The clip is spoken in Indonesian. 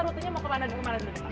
rutenya mau ke mana dulu pak